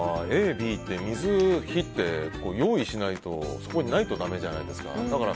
Ａ、Ｂって水、火って用意しないとそこにないとだめじゃないですか。